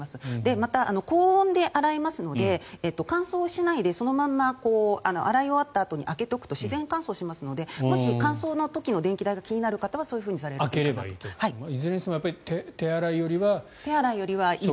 また、高温で洗いますので乾燥しないでそのまま洗い終わったあとに開けておくと自然乾燥しますのでもし乾燥の時の電気代が気になる方はいずれにしても手洗いよりは食洗機。